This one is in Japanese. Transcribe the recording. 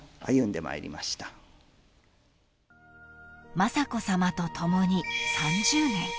［雅子さまと共に３０年］